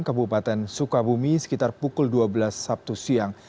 kabupaten sukabumi sekitar pukul dua belas sabtu siang